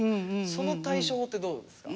その対処法ってどうですか？